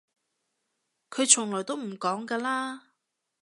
佢從來都唔講㗎啦